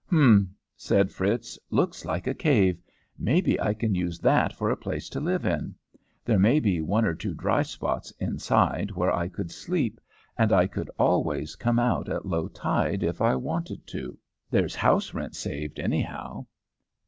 'Humph!' said Fritz. 'Looks like a cave. Maybe I can use that for a place to live in. There may be one or two dry spots inside where I could sleep, and I could always come out at low tide if I wanted to. There's house rent saved, anyhow.'